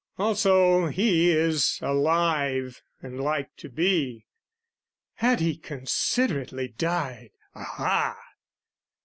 Also he is alive and like to be: Had he considerately died, aha!